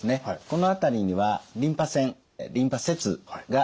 この辺りにはリンパ腺リンパ節があります。